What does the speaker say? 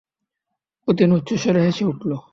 অতীন উচ্চস্বরে হেসে উঠল।